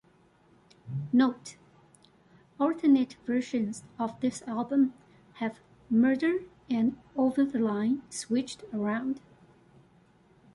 Note: Alternate versions of this album have "Murder" and "Over the Line" switched around.